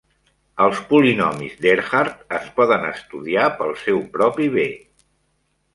Els polinomis d'Ehrhart es poden estudiar pel seu propi bé.